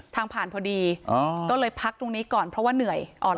ผ่านพอดีก็เลยพักตรงนี้ก่อนเพราะว่าเหนื่อยอ่อน